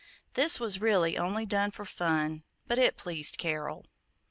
This was really only done for fun, but it pleased Carol.